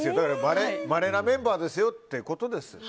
まれなメンバーですよってことですよ。